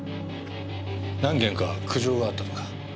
何件か苦情があったとか。